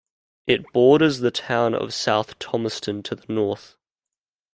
It borders the town of South Thomaston to the north.